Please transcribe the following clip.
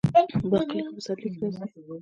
باقلي په پسرلي کې راځي.